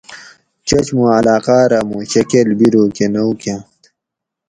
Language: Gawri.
چچ موں علاقاۤ رہ مُوں شکل بیروکہ نہ اُوکاۤنت